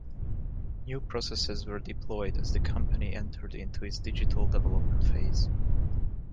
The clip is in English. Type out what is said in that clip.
New processes were deployed as the company entered into its digital development phase.